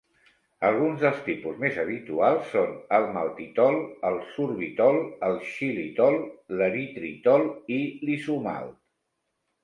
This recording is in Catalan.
Alguns dels tipus més habituals són el maltitol, el sorbitol, el xilitol, l'eritritol i l'isomalt.